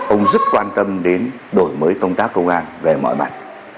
ông rất quan tâm đến đổi mới công tác công an về mọi mặt